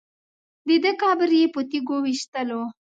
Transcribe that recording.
دده قبر یې په تیږو ویشتلو.